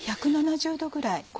１７０℃ぐらい。